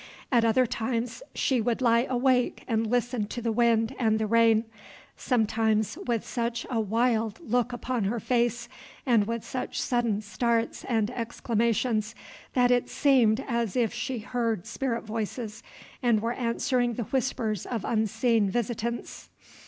At other times she would lie awake and listen to the wind and the rain, sometimes with such a wild look upon her face, and with such sudden starts and exclamations, that it seemed as if she heard spirit voices and were answering the whispers of unseen visitants.